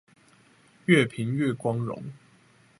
越貧越光榮！